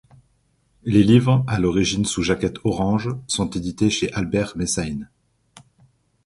Les livres, à l'origine sous jaquette orange, sont édités chez Albert Messein.